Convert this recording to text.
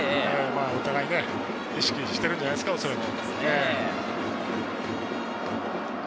お互いに意識しているんじゃないですか、おそらく。